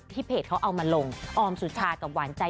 เพจเขาเอามาลงออมสุชากับหวานใจ